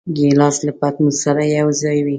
ګیلاس له پتنوس سره یوځای وي.